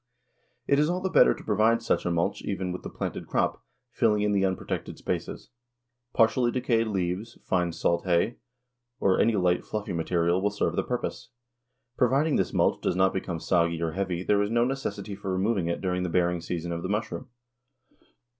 It is all the better to provide such a mulch even with the planted crop, filling in the unprotected spaces. Partially decayed leaves, fine salt hay, or any light, fluffy material will serve the purpose. Providing this mulch does not become soggy or heavy there is no necessity for removing it during the bearing season of the mushroom.